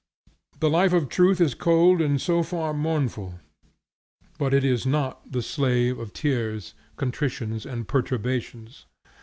The life of truth is cold and so far mournful; but it is not the slave of tears, contritions and perturbations.